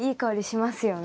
しますよね。